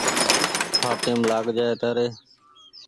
هآتيم لآگ جآئي تآري